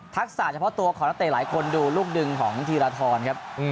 เฉพาะตัวของนักเตะหลายคนดูลูกดึงของธีรทรครับ